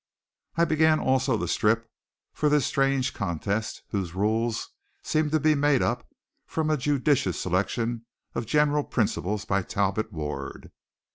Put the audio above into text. I began also to strip for this strange contest whose rules seemed to be made up from a judicious selection of general principles by Talbot Ward.